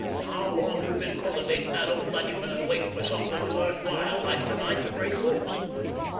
How long you been cultivating the old Dutchman, and waiting for something worth while like to night to break loose?